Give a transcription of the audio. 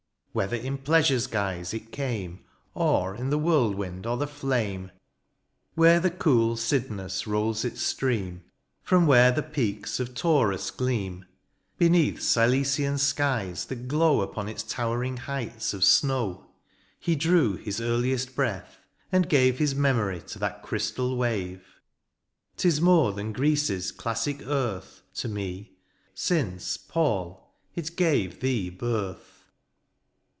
Whether in pleasure's guise it came. Or in the whirlwind or the flame* 1. i 1 2 DIONYSIUS, Where the cool Cydnus rolls its stream (/) From where the peaks of Taurus gleam^ Beneath Cilician skies that glow Upon its towering heights of snow. He drew his earliest breath, and gave His memory to that crystal wave : Tis more than Greece^s classic earth To me, since, Paul, it gave thee birth.